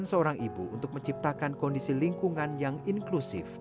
seorang ibu untuk menciptakan kondisi lingkungan yang inklusif